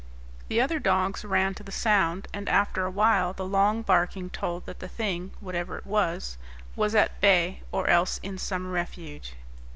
The other dogs ran to the sound, and after a while the long barking told that the thing, whatever it was, was at bay or else in some refuge.